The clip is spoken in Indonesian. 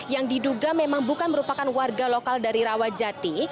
yang diduga memang bukan merupakan warga lokal dari rawajati